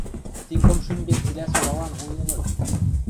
Ти кым шӱмбел цилӓ солалан вуй ылыт.